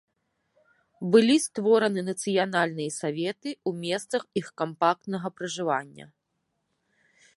Былі створаны нацыянальныя саветы ў месцах іх кампактнага пражывання.